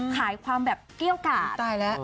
ขายความแบบเกลี้ยวกาศ